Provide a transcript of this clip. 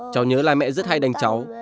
cháu nhớ là mẹ rất hay đánh cháu